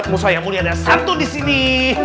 ustaz mustahil mulia ada satu di sini